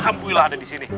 alhamdulillah ada di sini